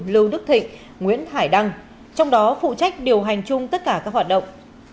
lưu đức thịnh nguyễn hải đăng trong đó phụ trách điều hành chung tất cả các hoạt động